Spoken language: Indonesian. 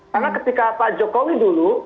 karena ketika pak jokowi dulu